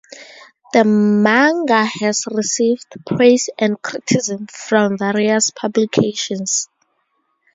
The manga has received praise and criticism from various publications.